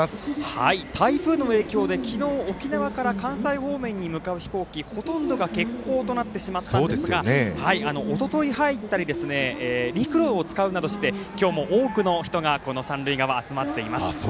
台風の影響で昨日沖縄から関西方面に向かう飛行機ほとんどが欠航となってしまったんですがおととい入ったり陸路を使うなどして今日も多くの人が三塁側、集まっています。